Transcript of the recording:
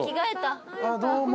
どうも。